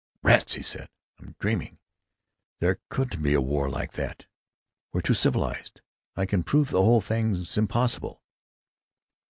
"Rats!" he said, "I'm dreaming. There couldn't be a war like that. We're too civilized. I can prove the whole thing 's impossible."